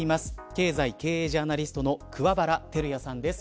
経済・経営ジャーナリストの桑原晃弥さんです。